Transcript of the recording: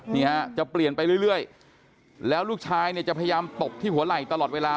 นี่ฮะจะเปลี่ยนไปเรื่อยแล้วลูกชายเนี่ยจะพยายามตบที่หัวไหล่ตลอดเวลา